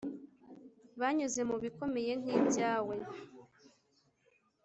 banyuze mu bikomeye nk’ibyawe